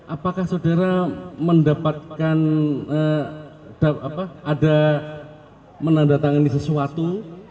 apakah saudara mendapatkan ada menandatangani sesuatu